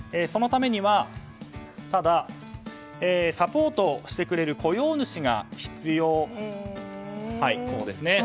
そのためにはサポートをしてくれる雇用主が必要。